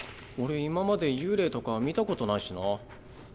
俺今まで幽霊とか見たことないしな。